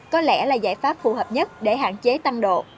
có lẽ là giải pháp phù hợp nhất để hạn chế tăng độ